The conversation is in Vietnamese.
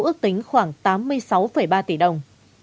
ước tính khoảng tám mươi sáu ba tỷ đồng